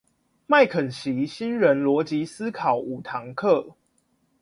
麥肯錫新人邏輯思考五堂課